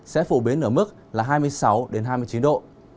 sẽ phổ biến ở mức là hai mươi sáu hai mươi chín độ